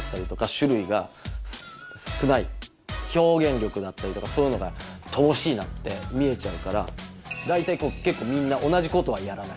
表現力だったりとかそういうのがとぼしいなって見えちゃうからだいたいけっこうみんな同じことはやらない。